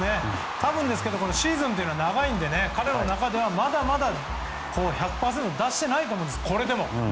多分ですけどシーズンというのは長いので彼の中ではまだまだ１００％を出していないと思うんですこれでも。